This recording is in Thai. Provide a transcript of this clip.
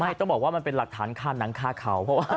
ต้องบอกว่ามันเป็นหลักฐานฆ่าหนังฆ่าเขา